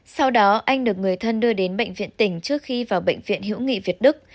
sau đó anh được người thân đưa đến bệnh viện tỉnh trước khi vào bệnh viện hữu nghị việt đức